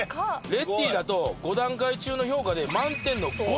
Ｒｅｔｔｙだと５段階中の評価で満点の５。